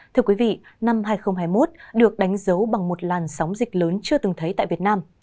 thưa quý vị năm hai nghìn hai mươi một được đánh dấu bằng một làn sóng dịch lớn chưa từng thấy tại việt nam